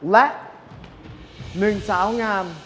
และ๑สาวงาม